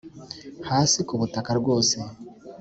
hasi kubutaka rwose